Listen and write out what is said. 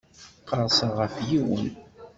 Qerrseɣ ɣef yiwen.